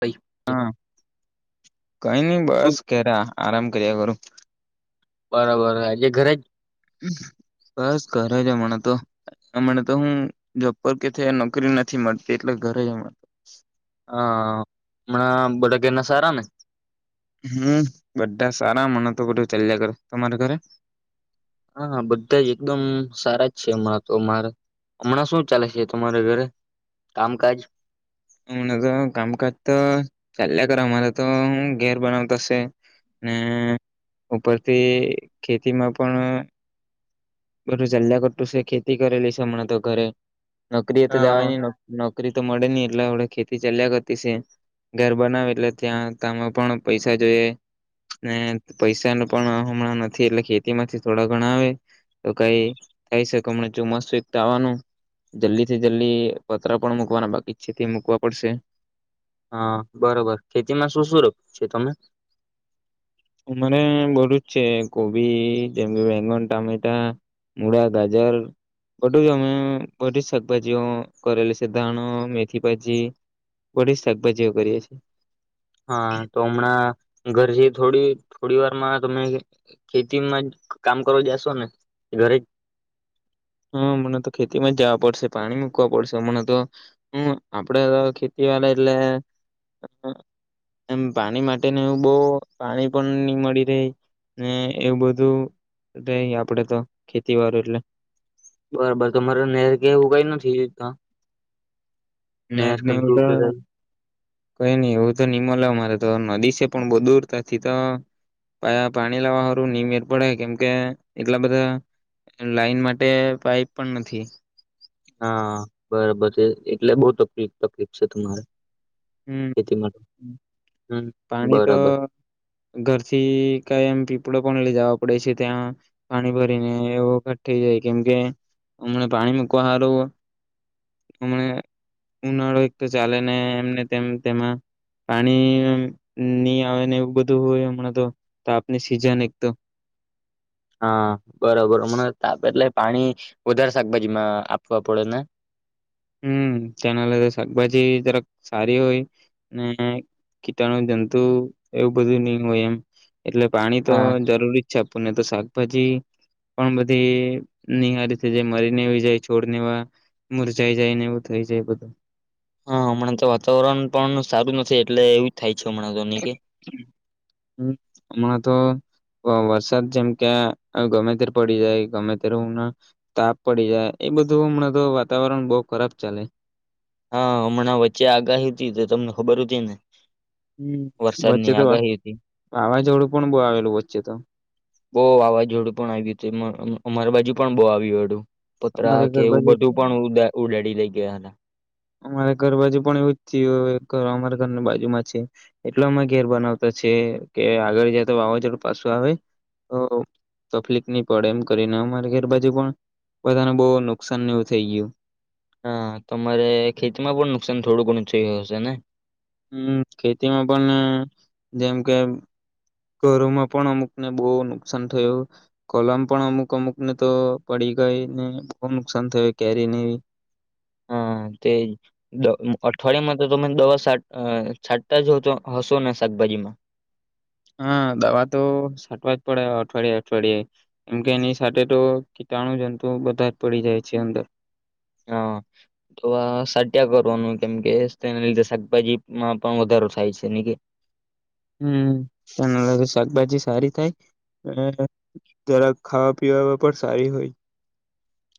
ભાઈ હા, કઈ નઈ શું બસ કેરા. આરામ કર્યા કરું. બરાબર હ જે ઘરે જ બસ ઘરે જમણ તો, હમને તો હું જોબપર કે થ નોકરી નથી મળતી એટલે ઘરે જ. હા હમણા બધા ઘેરના સારા ને? હમ્મ, બઢા સારા અમણા તો બઢુ ચલ્યા કરે, તમારા ઘરે હાં બધા જ એકદમ સારા જ છે અમણાં તો અમારા અમણાં શું ચાલે છે તમારે ઘરે કામકાજ? અમણા તો કામકાજ તો ચાલ્યા કરે અમારે તો ઉં ઘેર બનાવતો સે ને ઉપરથી ખેતીમાં પણ બઢુ ચાલ્યા કરતુ સે ખેતી કરેલી સે અમણાં તો ઘરે નોકરી એ તો હા જાવાય ની નો નોકરી તો મળે ની એટલે અવળે ખેતી ચાલ્યા કરતી સે, ઘેર બનાવે એટલે ત્યાં કામમાં પણ પૈસા જોએ ને પૈસા ન પણ હમણાં નથી એટલે ખેતી માંથી થોડા ઘણાં આવે તો કઈ થાય શકે અમણાં ચોમાસું એક તો આવાનું જલ્દી થી જલ્દી પતરા પણ મૂકવાના બાકી જ છે તે મુૂકવા પડશે હાં બરોબર ખેતીમાં શું શું રોપ્યુ છે તમે? અમારે બધું જ છે, કોબી જેમ કે વેંગન, ટામેટા મૂળા, ગાજર બઢુ જ અમે બઢી જ શાકભાજીઓ કરેલી સે ધાણો મેથીભાજી બધી જ શાકભાજીઓ કરીએ છે હાં તો અમણાં ઘરજી થોડી થોડી વારમાં તમે ખ ખેતીમાં જ કામ કરવા જાશો ને ઘરે જ હં અમડે તો ખેતીમાં જાવા પડશે, પાણી મૂકવા પડશે અમણે તો હમ આપડે ખેતી વાલા એટલે એમ પાણી માટેને એવે બો પાણી પણ ની મળી રેય ને એવું બધું રેય આપડે તો ખેતી વારુ એટલે બરાબર તમારે નેર કે એવું કંઈ નથી તાં? ન્હેર ને એવું તો કંઈ ની એવું તો ની મલે અમારે તો નદી છે પણ બો દુર થતી તો અ પાણી લાવાવારું ની મેર પડે કેમકે એટલા બધા લાઈન માટે પાઈપ પણ નથી હાં બરાબર છે, એટલે બો તકલીફ તકલીફ છે તમારે હમ્મ ખેતી માટે હમ પાની તો બરાબર ઘરથી કંઈ એમ પીપળો પણ લેય્ જાવા પડે છે ત્યાં પાણી ભરીને એ વખત થઈ જાય કેમકે અમણા પાણી મૂકવા હારું અમણે ઉનાળો એક તો ચાલેને એમને તેમ તેમાં પાણી ની આવે ને એવું બધું હોય અમણાં તો તાપની સિઝન એક તો હાં, બરાબર અમણાં તાપ એટલે પાણી વધારે શાકભાજીમાં આપવા પડે ને હમ તેના લ શાકભાજી જરાક સારી હોય ને કીટાણુ જંતુ એવું બધું નહી હોય એમ એટલે પાણી તો હા જરૂરી છાપુ ને તો શાકભાજી પણ બધી નિહારી થઈ જાય મરીને આવી જાય છોડવા મુર. જઈ જાય ને એવું થઈ જાય બધું. હા હમણાં તો વાતાવરણ પણ સારું નથી એટલે એવું થાય. છે હમણાં તો નહી કે હું અ. તો વરસાદ જેમ કે ગમે તે પડી જાય ગમે તે્યારે હમ તાપ પડી જાય એ બધું હમ તો વાતાવરણ બહુ ખરાબ ચાલે. હા હમણાં વચ્ચે આગાહી હતી તો તમને ખબર હતી ને. હ વચ્ચે વરસાદની તો આગાહી હતી વાવાઝોડું પણ બહ આવેલું વચ્ચે તો. બહુ વાવાઝોડું પણ આવ્યું હતું અમારી બાજુ પણ બહુ આવ એડું. અમારે પુતરા કે ઘર એવું બાજુ બધું તો- પણ ઉડાેડી લઈ ગયા હતા. અમારે ઘર બાજુ પણ એવું જ થયું અમારા ઘરની બાજુમાં છે એટલે અમે ઘેર બનાવતા છે કે આગળ જ તો વાવાઝોડું પાછું આવે તો તકલીફ નહી પડે એમ કરીને અમારી ઘર બાજુ પણ બધાને બહુ નુકસાન ન એવું થઈ ગયું. હા તમારે ખેતીમાં પણ નુકસાન થોડું ઘણું થયયું હશે ને. હમ ખેતીમાં પણ જેમ કે ઘરોમાં પણ અમુકને બહુ નુકસાન થયું કોલમ પણ અમુક અમુકને તો પડી ગઈ ને બહુ નુકસાન થયું કેરીને. હા તે અઠવાડિયામાં તો તમે દવા છાંટતા જ તો હશો ને શાકભાજીમાં. હા દવા તો સાટવા જ પડે અઠવાડિયે અઠવાડિયે એમ કે એની સાથે તો કીટાણુ જંતુ બધા જ પડી જાય છે અંદર. હા તો સાટા કરવાનું કેમ કે તેના લીધે શાકભાજીમાં પણ વધારો થાય છે ન કે. હમને લ શાકભાજી સારી થાય જરા ખાવા પીવા પણ સારી હોય.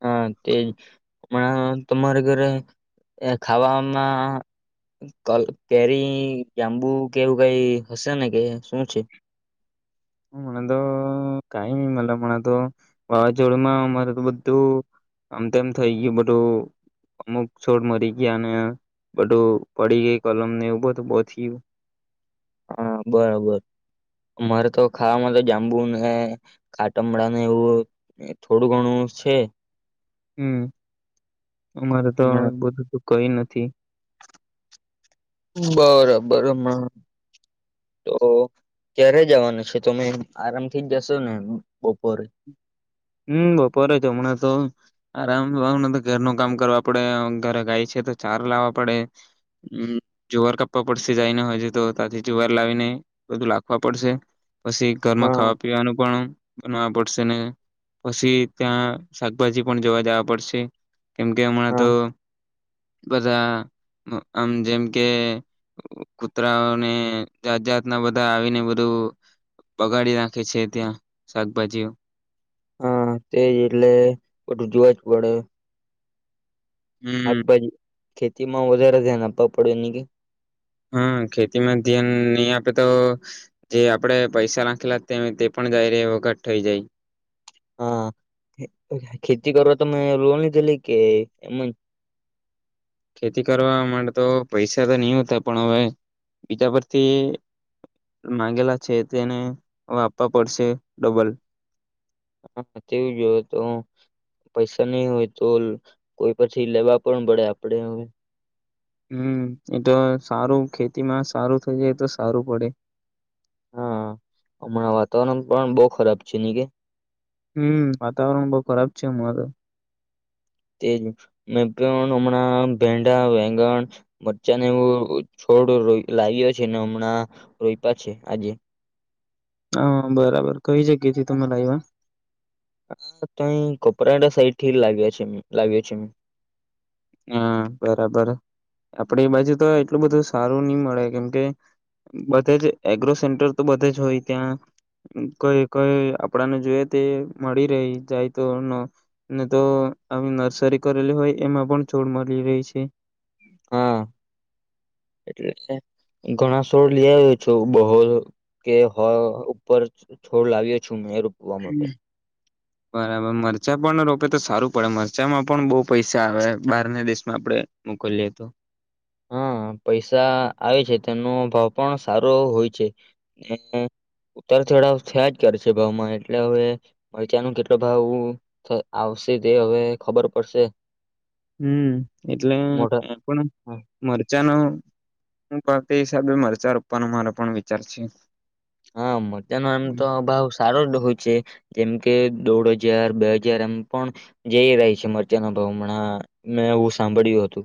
હા તેજ હણા તમારે ઘરે ખાવામાં કેરી જાંબુ કેવું કઈ હશે ને કે શું છે. મને તો કઈ ન મ મને તો વાવાઝોડમાં મારે તો બધું આમ તેમમ થઈ ગયું બધું અમુક છોડ મરી ગયા અને બધું પડી ગય કલમ ને એવું બધું બહતી ગયું. હા બરોબર મામારે તો ખાવામાં તો જાંબુ ને ખાટમડા ને એવું થોડું ઘણું છે. હમ. અમારે તો હમણાં બધું. કઈ નથી. બરોબર તો ક્યારે જવાનું છે તમે આરામ થી જ જશો ને બપોરે. હમ બપોરે જ હમણાં તો આરામ ઘરનું કામ કરવા પડે ઘરે ગાય છે તો ચાર લાવવા પડે જુવાર કાપવા પડશે જાયને હોય તો ત્યાથી જુવાર લાવીને બધું લખવા પડશે. પછી ઘર માં હા ખાવા પીવાનું પણ. બનાવા પડશે ને. પછી ત્યાં શાકભાજી પણ જોવા જવા પડશે. કેમ કે હમણાં હા તો. બધા આમ જેમ કે કુતરાઓને જાત જાતના બધા આવીને બધું બગાડી નાખે છે ત્યાં શાકભાજીઓ. હા તેજ એટલે બધું જોવા જ પડે. આગ હમ બાજ. ખેતી માં વધારે ધ્યાન આપવા પડ્યું નની કે. હા ખેતીમાં ધ્યાન નહી આપે તો જે આપડે પૈસા નાખેલા તે પણ જાય ર વખત થઈ જાય. હા ખેતી કરવા તને લોન લધેલી કે એમ. ખેતી કરવા માટે તો પૈસા તો નહી હોતા પણ હવે બીજા પરથી માંગેલા છે તેને હવે આપવા પડશે ડબલ. હા તેવું જો તો પૈસા નહી હોય તો કોઈ પછી લેવા પણ પડે આપડે હવે. હમ એ તો સારું ખેતીમાં સારું થઈ જાય તો સારું પડે. હા હમણાં વાતાવરણ પણ બહ ખરાબ છે ની કે. હમ વાતાાવરણ બ ખરાબ છે એમું. તેજ મે પણ હમણાં ભેંડા વેંગણ મરચા એવું છોડ લાવ્યો છે હમણાં રોપ્યા છે આજે. હા બરાબર કઈ જગ્યાથી તમારા લાવ્યા. હા તાઈ કપરાડા સઈડ થી લાવ્યા છે [unintelligible] લાવ્યા છે. હા બરાબર આપડે એ બાજુ તો એટલું બધું સારું ની મળે કેમકે બધે જ એગ્રો સેન્ટર તો બધે જ હોય ત્યાં કઈ કઈ આપડાને જોઈ તે મળી રહી જાય તો નો ને તો આવી નર્સરી કરેલી હોય એમાં પણ છોડ મળી રેય છે. હા, એટલે ઘણા છોડ લી આવ્યો છું બહો કે હો ઉપર છોડ લાવ્યો છું. [unintelligible] રોપવા માટે. બરાબર મરચા પણ રોપે તો સા સારું પડે મરચામાં પણ બો પૈસા આવે બહારને દેશમાં આપણે મોકલીએ તો. હા પૈસા આવે છે તેનો ભાવ પણ સારો હોય છે ઉતાર ચઢાવ થયા જ કરે છે ભાવમાં એટલે હવે મરચાનું કેટલો ભાવ આવશે તે હવે ખબર પડશે. હમ્મ એટલે મોટો એમ પણ મરચાં નો હું ભાવ તે હિસાબે મરચાં રોપવાનો મારો પણ વિચાર છે. હા, મરચાનો આમ તો અ ભાવ સારો જ હોય છે જેમ કે દોઢ હજાર બે હજાર એમ પણ જઈ રહી છે મરચાના ભાવ હમણા મેં એવું સાંભળ્યું હતું.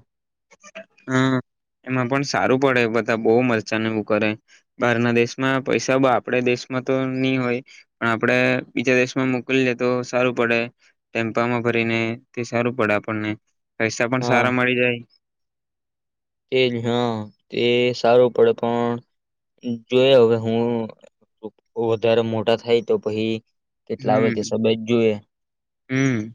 હા એમાં પણ સારું પડે બધા બો મરચાને એવું કરે બહારના દેશમાં પૈસા પણ આપણે દેશમાં તો ની હોય પણ આપણેે બીજા દેશમાં મોકલીએ તો સારું પડે ટેમ્પામાં ભરીને તે સારું પડે આપણને. પૈસા પણ સારા મળી જાય. તે જ હા તે સારું પડે પણ જોયે હવે હું વધારે મોટા થાય તો પહી કેટલા આવે તે હમ હિસાબે જોઈએ. હમ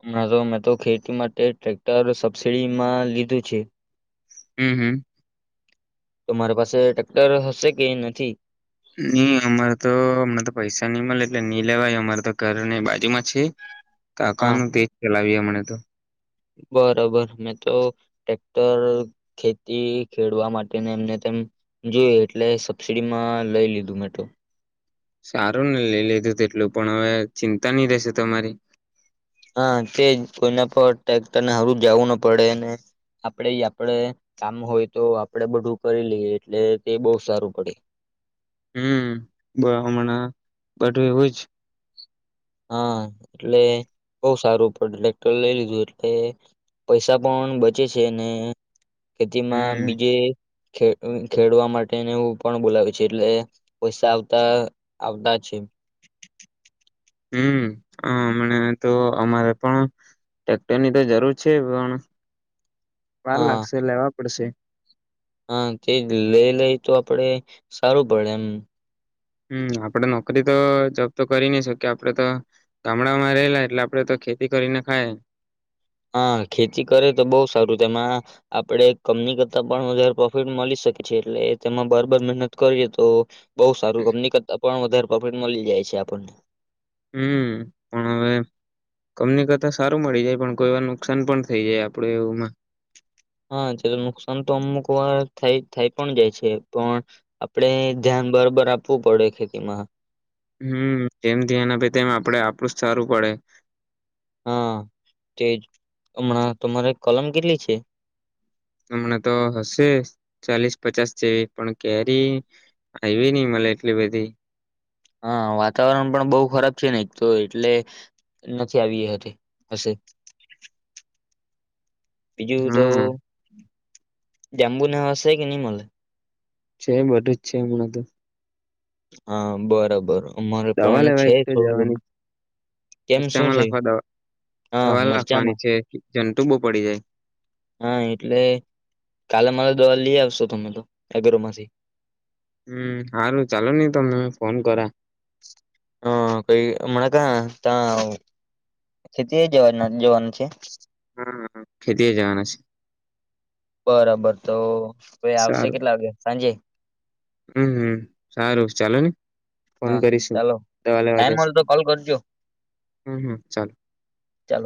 હમણાં તો મેં તો ખેતી માટે ટ્રેક્ટર સબસીડીમાં લીધું છે. હામ હમ્મ. તો માર પાસે ટ્રેક્ટર હશે કે નથી? ની અમારે તો હમણા તો પૈસા ની મળે એટલે ની લેવાય અમારે તો ઘરને બાજુમાં છે હા કાકાનું તેજ ચલાવ્યે અમે. ને તો બરોબર મેં તો ટ્રેક્ટર ખેતી ખેડવા માટે એમને તેમ જોયે એટલે સબસીડીમાં લઈ લીધું મેં તો. સારું ને લઈ લીધું તેટલું પણ હવે ચિંતા નહી રહેશે તમારી. હા તે જ કોઈના પર ટ્રેક્ટરને હારુ જવું ન પડે ને આપડે આપડે કામ હોય તો આપણેે બધું કરી લઈએ એટલે તે બો સારું પડે. હમ્મ, બ હમણાં બધુ એવું જ હા એટલે બો સારું પડે ટ્રેક્ટર લઈ લીધું એટલે પૈસા પણ બચે છે ને ખેતીમાં હમ બીજે ખે ખેડવા માટેને એવું પણ બોલાવે છે એટલે પૈસા આવતા આવતા છે. હમ્મ હમણે તો અમારે પણ ટ્રેક્ટર ની તો જરૂર છે પણ વાર હા લાગશે લેવા પડશે. હા તેજ લઈ લઈ તો આપડે સારું પડે એમ. હમ્મ આપડે નોકરી તો જોબ તો કરી નહી શકીએ આપડે તો ગામડામાં રહેલા એટલે આપડે તો ખેતી કરીને ખાયે. હા ખેતી કરે તો બહું સારું તેમાં આપડે કમની કરતા પણ વધારે પ્રોફિટ મળી શકે છે એટલે તેમાં બરાબર મહેનત કરીએ તો બહુ સારું કંપની કરતાં પણ વધારે પ્રોફિટ મળી જાય છે આપણને. હમ્મ પણ હવે કંપની કરતા સારું મળી જાય પણ કોઈ વાર નુકસાન પણ થઈ જાય આપડુ એવું માં હા જે નુકસાન તો અમુક વાર થઈ થઈ પણ જાય છે પણ આપણે ધ્યાન બરાબર આપવું પડે ખેતીમાં. હમ્મ જેમ ધ્યાન આપે તેમ આપણે આપણું સારું પડે. હા, તેજ હમણાં તમારે કલમ કેટલી છે? હમણાં તો હશે ચાલીસ પચાસ જેવી પણ કેરી આયવી નઈ મલે એટલી બધી હા વાતાવરણ પણ બહુ ખરાબ છે ને એક તો એટલે નથી આવી હતી હશે પીજું તો હા જામ બુ નાશે કેનીમલે છે બધું જ છે હમણાં તો હા બરાબર અમારે દવા પણ લેવા છે એક તો થોડું ઘણું જવાની કેમ શું ખર્ચામાં થયું લખવા દવા હા દવા લખવાની મરચામાં છે જટુ બહ પડી જાય હા એટલે કાલે મારે દવા લઈ આવશો તમે તો એગ્રમાંથી હમ સારું ચાલો નઈ તમને ફોન કરા હ કઈ હમણા ક ત્યાં ખેતી જવા જવાનું છે હા ખેતી જવાનું છે બરાબર તો કોઈ આવશે સારું કેટલા વાગે સાંજે હમ હમ સારું ચાલો ને ફોન હા કરીશું ચાલો દવા લેવા ટાઈમ જસ્ હોય તો કોલ કરજો હમ હમ ચાલો ચાલો